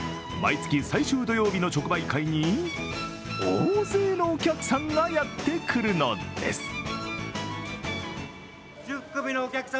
毎月最終土曜日の直売会に大勢のお客さんがやってくるのです。